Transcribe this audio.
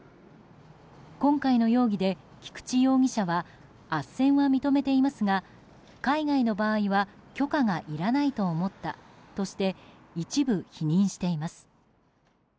今回の容疑で、菊池容疑者はあっせんは認めていますが海外の場合は許可がいらないと思ったとして一部否認しています。